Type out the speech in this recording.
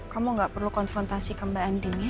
kamu gak perlu konfrontasikan mbak ending ya